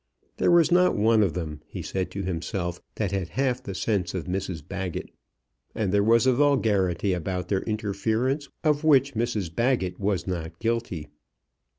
There was not one of them, he said to himself, that had half the sense of Mrs Baggett. And there was a vulgarity about their interference of which Mrs Baggett was not guilty.